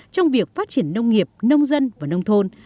trong việc phát triển nông nghiệp nông dân và nông thôn